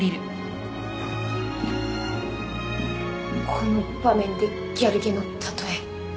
この場面でギャルゲの例え。